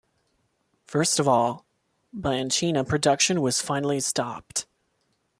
First of all, Bianchina production was finally stopped.